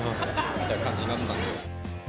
みたいな感じになってたんで。